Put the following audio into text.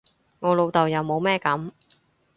我老豆又冇乜噉